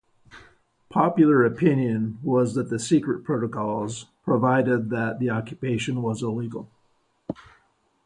Popular opinion was that the secret protocols proved that the occupation was illegal.